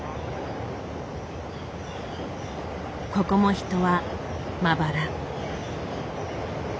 ここも人はまばら。